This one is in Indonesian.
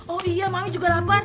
oh iya malam juga lapar